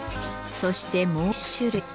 そしてもう一種類。